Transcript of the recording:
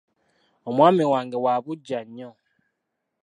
Omwami wange wa buggya nnyo.